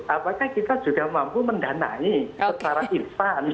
apakah kita juga mampu mendanai secara instan